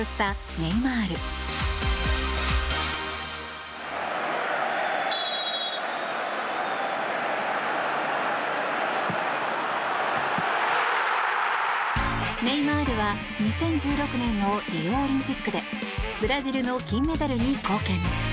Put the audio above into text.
ネイマールは２０１６年のリオオリンピックでブラジルの金メダルに貢献。